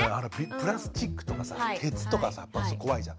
プラスチックとかさ鉄とかさ怖いじゃん。